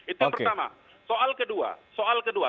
itu yang pertama soal kedua